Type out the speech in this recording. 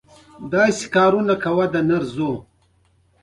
وژنه د نفرت زېږنده ده